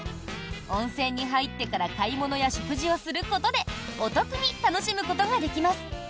温泉に入ってから買い物や食事をすることでお得に楽しむことができます。